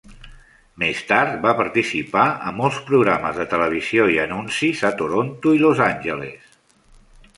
Més tard, va participar a molts programes de televisió i anuncis a Toronto i Los Angeles.